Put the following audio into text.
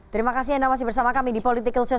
terima kasih anda masih bersama kami di political show